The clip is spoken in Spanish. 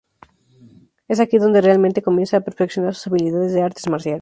Es aquí donde realmente comienza a perfeccionar sus habilidades de artes marciales.